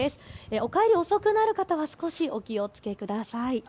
お帰り遅くなる方は少しお気をつけください。